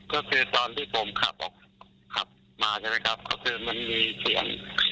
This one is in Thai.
ก็คือตอนที่ผมขับออกขับมาใช่ไหมครับก็คือมันมีเสียง